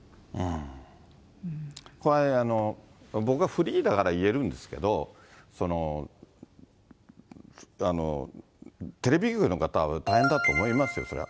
これ、僕がフリーだから言えるんですけども、テレビ局の方は大変だと思いますよ、そりゃ。